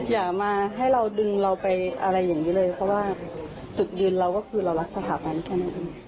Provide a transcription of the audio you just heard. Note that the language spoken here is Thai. อย่ามาให้เราดึงเราไปอะไรอย่างนี้เลยเพราะว่าจุดยืนเราก็คือเรารักสถาบันแค่นั้นเอง